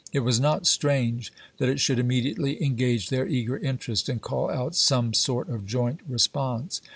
It was not strange that it should immediately engage their eager interest and call out some sort of joint re sponse.